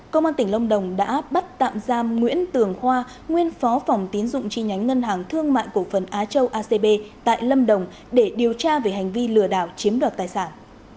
công an tỉnh lâm đồng đã bắt tạm giam nguyễn tường khoa nguyên phó phòng tín dụng chi nhánh ngân hàng thương mại cổ phần á châu acb tại lâm đồng để điều tra về hành vi lừa đảo chiếm đoạt tài sản